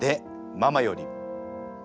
ママより」。